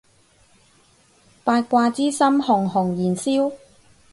八卦之心熊熊燃燒